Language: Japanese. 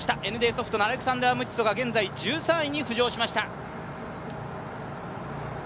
ＮＤソフトのアレクサンダー・ムティソが現在１３位に浮上しました。